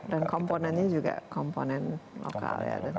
dan komponennya juga komponen lokal ya